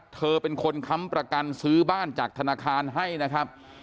เธอเป็นคนค้ำประกันซื้อบ้านจากธนาคารให้นะครับ